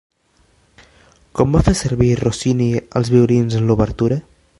Com va fer servir Rossini els violins en l'obertura?